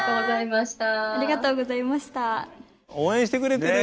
応援してくれてる。